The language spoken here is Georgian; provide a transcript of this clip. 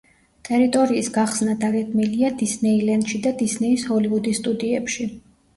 ტერიტორიის გახსნა დაგეგმილია დისნეილენდში და დისნეის ჰოლივუდის სტუდიებში.